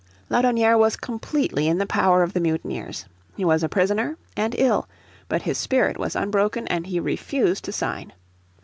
Laudonnière was completely in the power of the mutineers. He was a prisoner and ill, but his spirit was unbroken, and he refused to sign.